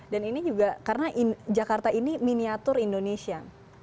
dan ini juga karena jakarta ini miniatur indonesia